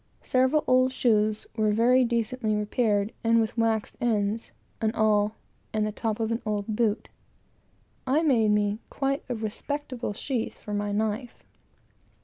Several old shoes were very decently repaired, and with waxed ends, an awl, and the top of an old boot, I made me quite a respectable sheath for my knife.